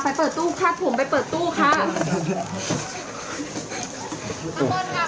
ไปเปิดตู้ครับผมไปเปิดตู้ค่ะ